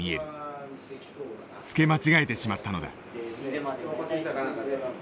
つけ間違えてしまったのだ。